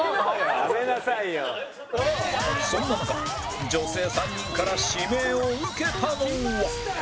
そんな中女性３人から指名を受けたのは